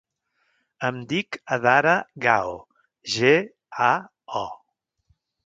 Em dic Adara Gao: ge, a, o.